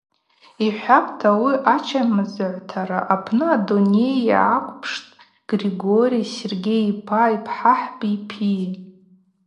Йхӏхӏвапӏта, ауи ачымазагӏвтара апны адуней йгӏаквпштӏ Григорий Сергей йпа йпхӏахӏби йпи.